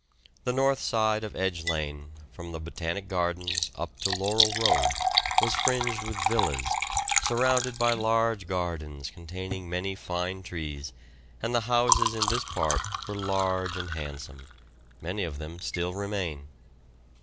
The north side of Edge Lane, from the Botanic Gardens up to Laurel Road, was fringed with villas, surrounded by large gardens containing many fine trees, and the houses in this part were large and handsome; many of them still remain.